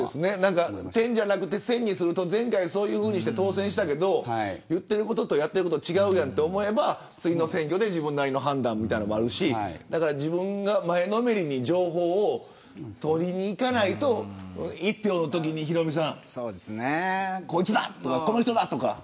点じゃなくて線にすると前回そういうふうにして当選したけど言っていることとやっていることが違うじゃんと思えば、次の選挙で自分なりの判断があるし自分が前のめりに情報を取りにいかないと一票のときに、この人だとか。